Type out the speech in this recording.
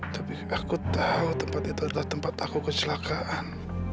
tapi aku tahu tempat itu adalah tempat aku kecelakaan